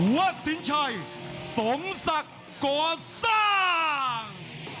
วัดสินชัยสมศักดิ์ก่อสร้าง